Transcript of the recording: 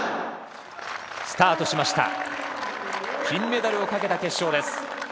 金メダルをかけた決勝です。